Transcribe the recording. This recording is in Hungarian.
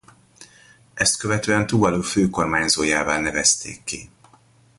Ezt követően Tuvalu főkormányzójává nevezték ki.